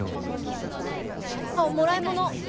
あっもらいもの。